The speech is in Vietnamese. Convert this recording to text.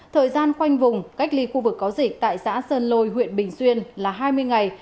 thời gian khoanh vùng cách ly khu vực có dịch tại xã sơn lôi huyện bình xuyên là hai mươi ngày